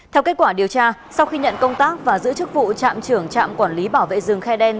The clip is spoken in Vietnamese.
theo kết quả điều tra sau khi nhận công tác và giữ chức vụ trạm trưởng trạm quản lý bảo vệ rừng khai đen